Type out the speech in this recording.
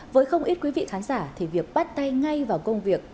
với không ít quý vị khán giả thì việc bắt tay ngay vào công việc